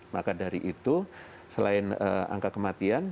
maka dari itu selain angka kematian